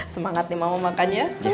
semangat nih mama makan ya